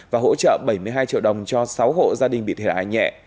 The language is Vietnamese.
và hỗ trợ bảy mươi hai triệu đồng cho sáu hộ gia đình bị thiệt hại nhẹ